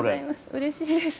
うれしいです。